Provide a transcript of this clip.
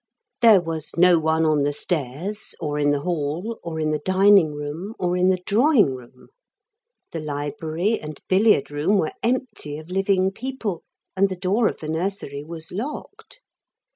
There was no one on the stairs, or in the hall, or in the dining room, or in the drawing room. The library and billiard room were empty of living people, and the door of the nursery was locked.